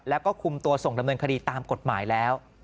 แล้วก็คุมตัวส่งดำเนินคดีตามกฎหมายแล้ว